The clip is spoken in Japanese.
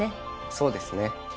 そうですね。